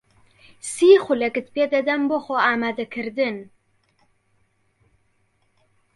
سی خولەکت پێ دەدەم بۆ خۆئامادەکردن.